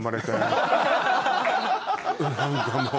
何かもう。